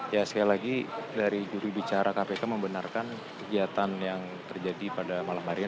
ya sekali lagi dari juri bicara kpk membenarkan kegiatan yang terjadi pada malam harian